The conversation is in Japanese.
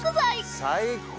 最高！